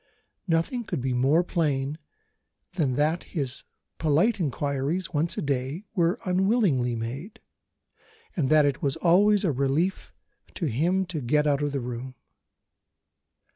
Nothing could be more plain than that his polite inquiries (once a day) were unwillingly made, and that it was always a relief to him to get out of the room.